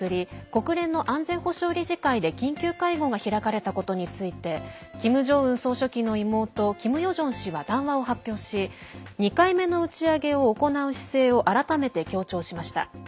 国連の安全保障理事会で緊急会合が開かれたことについてキム・ジョンウン総書記の妹キム・ヨジョン氏は談話を発表し２回目の打ち上げを行う姿勢を改めて強調しました。